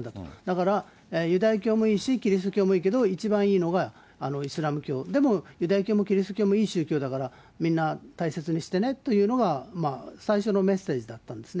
だからユダヤ教もいいし、キリスト教もいいけど、一番いいのがイスラム教、でもユダヤ教もキリスト教もいい宗教だから、みんな大切にしてねというのが、最初のメッセージだったんですね。